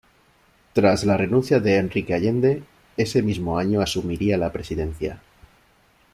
Tras la renuncia de Enrique Allende, ese mismo año asumiría la presidencia.